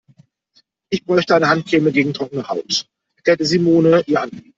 Ich bräuchte eine Handcreme gegen trockene Haut, erklärte Simone ihr Anliegen.